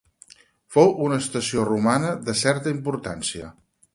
Fou una estació romana de certa importància.